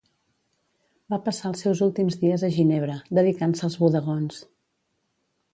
Va passar els seus últims dies a Ginebra, dedicant-se als bodegons.